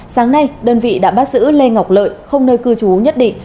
sáng nay đơn vị đã bắt giữ lê ngọc lợi không nơi cư trú nhất định